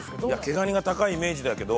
毛蟹が高いイメージだけど。